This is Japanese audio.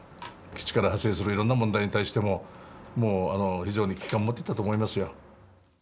基地から派生するいろんな問題に対してももう非常に危機感持ってたと思いますよ。